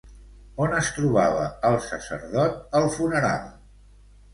On es trobava el sacerdot al funeral?